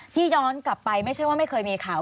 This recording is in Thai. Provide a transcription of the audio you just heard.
ย้อนกลับไปไม่ใช่ว่าไม่เคยมีข่าว